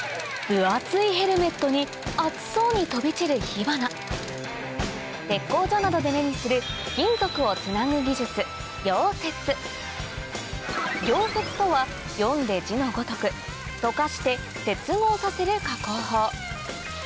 分厚いヘルメットに熱そうに飛び散る火花鉄工所などで目にする金属をつなぐ技術溶接溶接とは読んで字のごとく溶かして接合させる加工法